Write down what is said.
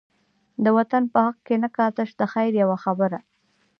د وطن په حق کی نه کا، تش دخیر یوه خبره